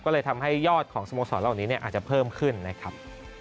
ก็เลยทำให้ยอดของสโมสรเหล่านี้อาจจะเพิ่มขึ้นนะครับ